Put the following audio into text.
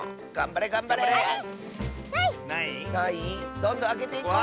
どんどんあけていこう！